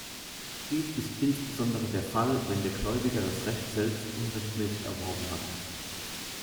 Dies ist insbesondere der Fall, wenn der Gläubiger das Recht selbst unrechtmäßig erworben hat.